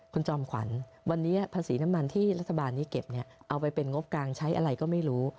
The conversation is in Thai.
คุณจอมขวัญวันนี้ภาษีน้ำมันที่รัฐบาลนี้เก็บเอาไปเป็นงบกลางใช้อะไรก็ไม่รู้